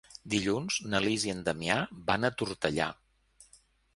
Dilluns na Lis i en Damià van a Tortellà.